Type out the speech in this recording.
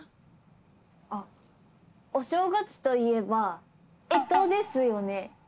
あお正月といえば干支ですよね。